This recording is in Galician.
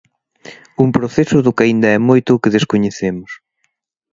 Un proceso do que aínda é moito o que descoñecemos.